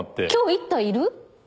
今日１体いる？